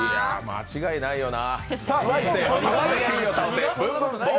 間違いないよな。